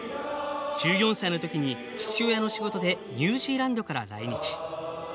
１４歳の時に、父親の仕事でニュージーランドから来日。